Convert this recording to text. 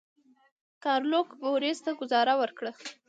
ګارلوک بوریس ته ګوزاره ورکړه.